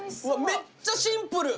めっちゃシンプル！